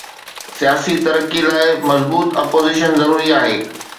سياسي ترقي لاءِ مضبوط اپوزيشن ضروري آهي.